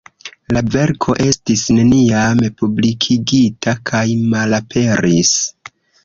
La verko estis neniam publikigita kaj malaperis.